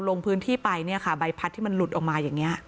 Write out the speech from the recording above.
ลงพื้นที่ไปเนี่ยค่ะใบพัดที่มันหลุดออกมาอย่างนี้